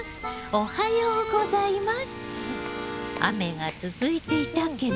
おはようございます。